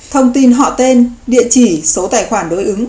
thông tin họ tên địa chỉ số tài khoản đối ứng